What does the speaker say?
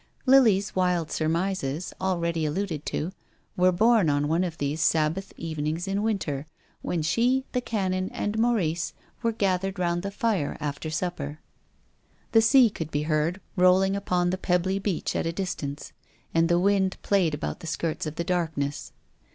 Lily's wild surmises, already alluded to, were born on one of these Sabbath evenings in winter, when she, the Canon, and Maurice were gathered round the fire after supper. The sea could be heard rolling upon the pebbly beach at a distance, and the wind played about the skirts of the darkness.